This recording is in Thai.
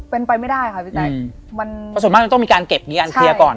เป็นไปไม่ได้ค่ะพี่แต่ประสบมาคมันต้องมีการเก็บมีการเคลียร์ก่อน